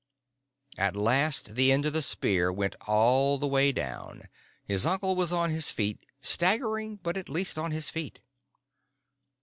At last the end of the spear went all the way down. His uncle was on his feet, staggering, but at least on his feet.